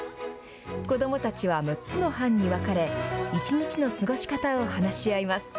子どもたちは６つの班に分かれ１日の過ごし方を話し合います。